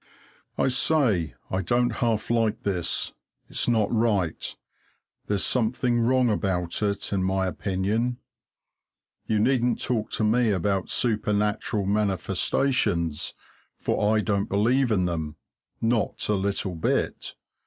I say, I don't half like this. It's not right. There's something wrong about it, in my opinion. You needn't talk to me about supernatural manifestations, for I don't believe in them, not a little bit!